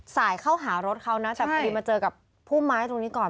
สายเข้าหารถเขาน่ะแต่เมื่อมาเจอกับผู้ม้ายตรงนี้ก่อน